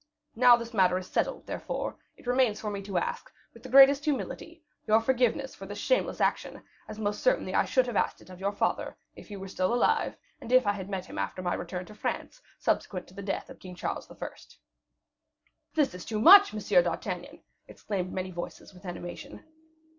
Now this matter is settled, therefore, it remains for me to ask, with the greatest humility, your forgiveness for this shameless action, as most certainly I should have asked it of your father, if he were still alive, and if I had met him after my return to France, subsequent to the death of King Charles I." "That is too much, M. d'Artagnan," exclaimed many voices, with animation.